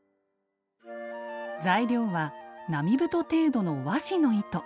材料は並太程度の和紙の糸。